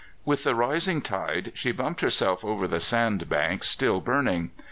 With the rising tide she bumped herself over the sandbank, still burning.